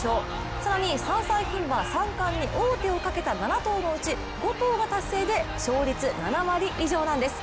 更に３歳牝馬三冠に王手をかけた７頭のうち５頭が達成で勝率７割以上なんです。